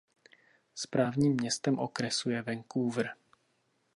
Správním městem okresu je Vancouver.